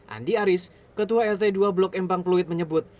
andi aris ketua lt dua blok empang fluid menyebut